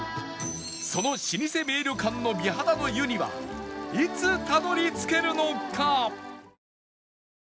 その老舗名旅館の美肌の湯にはいつたどり着けるのか？